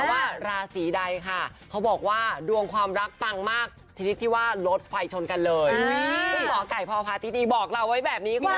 ว่าราศีใดค่ะเขาบอกว่าดวงความรักเบ